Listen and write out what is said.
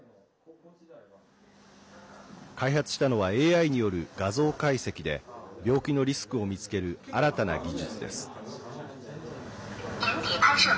開発したのはＡＩによる画像解析で病気のリスクを見つける新たな技術です。